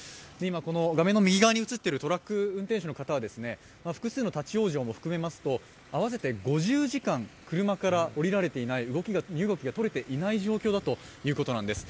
画面の右側に映っているトラックの運転手は複数の立往生も含めますと、合わせて５０時間、車から降りられていない、身動きが取れていない状況だということなんです。